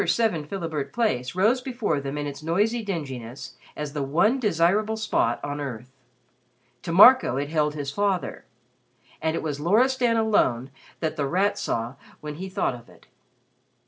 7 Philibert Place rose before them in its noisy dinginess as the one desirable spot on earth. To Marco it held his father. And it was Loristan alone that The Rat saw when he thought of it.